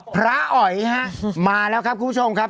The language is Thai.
อ๋อยฮะมาแล้วครับคุณผู้ชมครับ